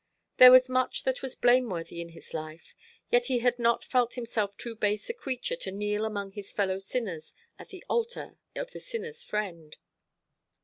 There was much that was blameworthy in his life; yet he had not felt himself too base a creature to kneel among his fellow sinners at the altar of the Sinner's Friend.